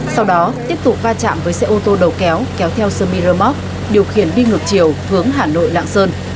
sau đó tiếp tục va chạm với xe ô tô đầu kéo kéo theo sermiro moc điều khiển đi ngược chiều hướng hà nội lạng sơn